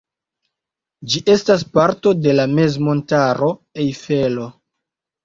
Ĝi estas parto de la mezmontaro Ejfelo.